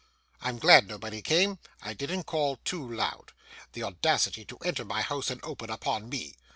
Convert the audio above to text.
I'm glad nobody came. I didn't call too loud. The audacity to enter my house, and open upon me!